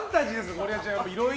ゴリエちゃんは。